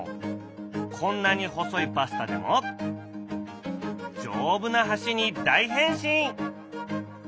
こんなに細いパスタでも丈夫な橋に大変身！